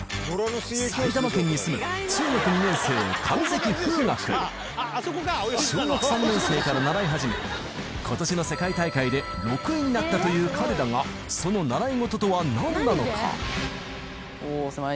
埼玉県に住む中学２年生今年の世界大会で６位になったという彼だがその習い事とは何なのか？